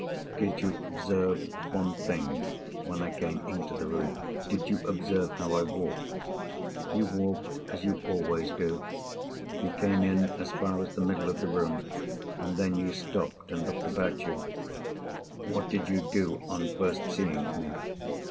"Did you observe one thing when I came into the room—did you observe how I walked?" "You walked as you always do. You came in as far as the middle of the room—and then you stopped and looked about you." "What did you do, on first seeing me?"